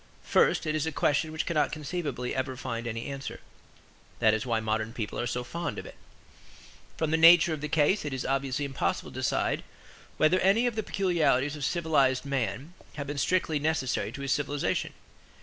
First it is a question which cannot conceivably ever find any answer: that is why modern people are so fond of it. From the nature of the case it is obviously impossible to decide whether any of the peculiarities of civilized man have been strictly necessary to his civilization.